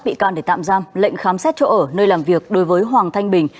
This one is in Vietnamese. bị can để tạm giam lệnh khám xét chỗ ở nơi làm việc đối với hoàng thanh bình